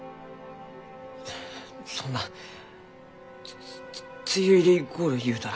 そんな梅雨入り頃言うたら。